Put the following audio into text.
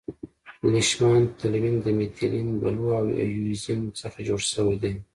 لیشمان تلوین د میتیلین بلو او اییوزین څخه جوړ شوی دی.